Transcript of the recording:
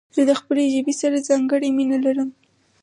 زه د خپلي ژبي سره ځانګړي مينه لرم.